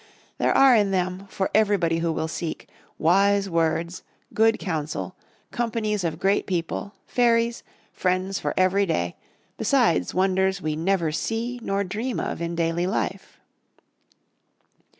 There are in them, for everybody who will seek, wise words, good counsel, companies of great people, fairies, friends for every day, besides wonders we never see nor dream of in daily life.